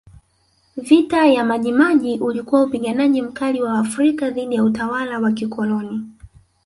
Vita ya Maji Maji ulikuwa upingaji mkali wa Waafrika dhidi ya utawala wa kikoloni